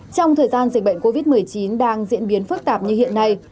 trong thời gian dịch bệnh covid một mươi chín đang diễn biến phức tạp như hiện nay